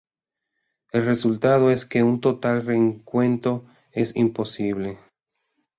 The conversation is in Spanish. El resultado es que un total recuento es imposible.